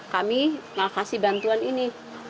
kami kasih bantuan ini